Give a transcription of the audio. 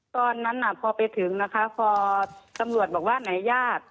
ตอนนั้นน่ะพอไปถึงนะคะพอตำรวจบอกว่าไหนญาติ